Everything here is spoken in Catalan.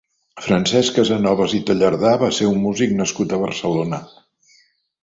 Francesc Casanovas i Tallardá va ser un músic nascut a Barcelona.